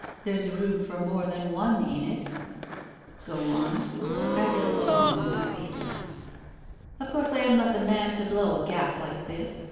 There's room for more than one in it." "Go on." Iredale's tone was icy. "Of course I am not the man to blow a gaff like this.